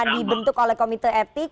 disediakan oleh komite etik